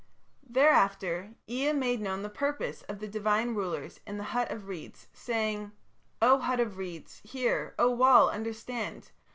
"Thereafter Ea made known the purpose of the divine rulers in the hut of reeds, saying: 'O hut of reeds, hear; O wall, understand